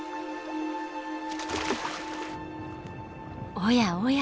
おやおや。